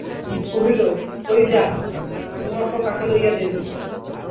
কহিল, ঐ যা, তোমার ফল কাকে লইয়া যাইতেছে।